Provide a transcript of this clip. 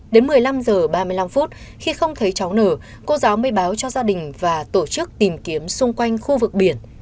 đến một mươi năm h ba mươi năm khi không thấy cháu nở cô giáo mới báo cho gia đình và tổ chức tìm kiếm xung quanh khu vực biển